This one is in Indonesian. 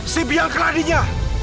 si biang keladinya